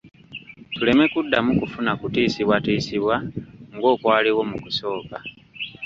Tuleme kuddamu kufuna kutiisibwatiisibwa ng'okwaliwo mu kusooka.